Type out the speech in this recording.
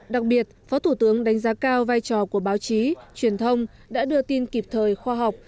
đặc biệt phó thủ tướng đánh giá cao vai trò của báo chí truyền thông đã đưa tin kịp thời khoa học